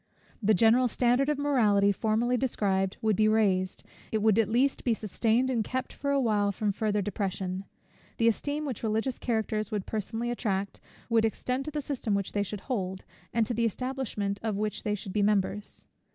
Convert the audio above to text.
The general standard of morality formerly described, would be raised, it would at least be sustained and kept for a while from farther depression. The esteem which religious characters would personally attract, would extend to the system which they should hold, and to the establishment of which they should be members.